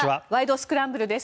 スクランブル」です。